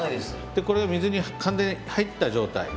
これが水に完全に入った状態。